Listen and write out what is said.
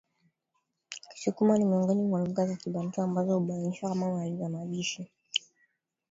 Kisukuma ni miongoni mwa lugha za Kibantu ambazo hubainishwa kama lugha mabishi